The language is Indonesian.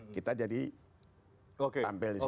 kita jadi tampil di sini